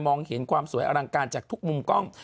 เห็นความสวยอลังการจากทุกมุมกล้อง